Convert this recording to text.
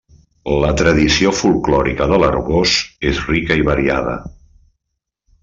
La tradició folklòrica de l'Arboç és rica i variada.